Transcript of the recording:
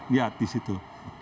lihat di situ